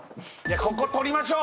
こことりましょう